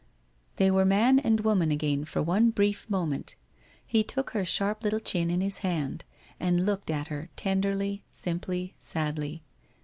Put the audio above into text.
They were man and woman again for one brief moment. He took her sharp little chin in his hand and looked at her tenderly, simply, sadly.